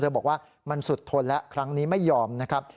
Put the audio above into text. บอกว่ามันสุดทนแล้วครั้งนี้ไม่ยอมนะครับ